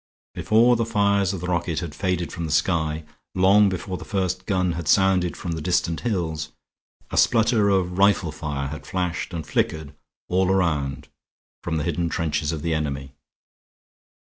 Before the fires of the rocket had faded from the sky, long before the first gun had sounded from the distant hills, a splutter of rifle fire had flashed and flickered all around from the hidden trenches of the enemy.